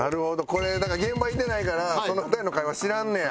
これだから現場いてないからその２人の会話知らんねや。